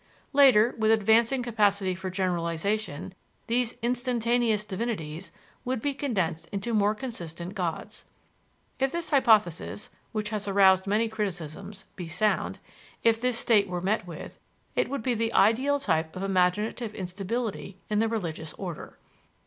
Later, with advancing capacity for generalization, these "instantaneous" divinities would be condensed into more consistent gods. If this hypothesis, which has aroused many criticisms, be sound if this state were met with it would be the ideal type of imaginative instability in the religious order.